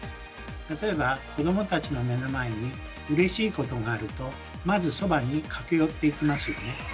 例えば子どもたちの目の前にうれしいことがあるとまずそばに駆け寄っていきますよね。